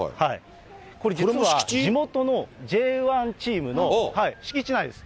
これ実は、地元のＪ１チームの、敷地内です。